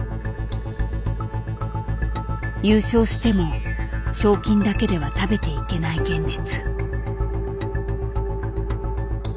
優勝しても賞金だけでは食べていけない現実。